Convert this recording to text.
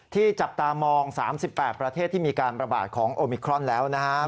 จับตามอง๓๘ประเทศที่มีการประบาดของโอมิครอนแล้วนะครับ